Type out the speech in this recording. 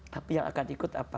tapi yang akan ikut apa